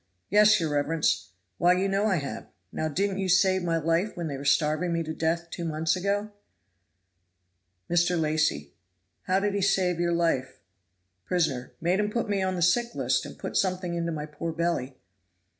"Yes, your reverence! Why you know I have; now didn't you save my life when they were starving me to death two months ago?" Mr. Lacy. "How did he save your life?" Prisoner. "Made 'em put me on the sick list, and put something into my poor belly."